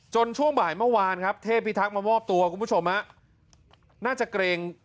ช่วงบ่ายเมื่อวานครับเทพิทักษ์มามอบตัวคุณผู้ชมฮะน่าจะเกรง